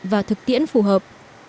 và thực tiễn phù hợp